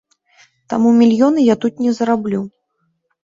Таму мільёны я тут не зараблю.